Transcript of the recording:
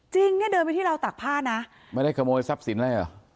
จริงเนี่ยเดินไปที่ราวตากผ้านะไม่ได้ขโมยทรัพย์สินอะไรเหรอ